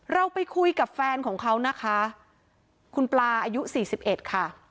เราไปคุยกับแฟนของเขานะคะคุณปลาอายุสี่สิบเอ็ดค่ะ